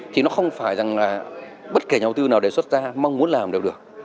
thì nó không phải rằng là bất kể nhà đầu tư nào đề xuất ra mong muốn làm đều được